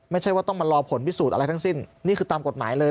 ไม่ใช่ว่าต้องมารอผลพิสูจน์อะไรทั้งสิ้นนี่คือตามกฎหมายเลย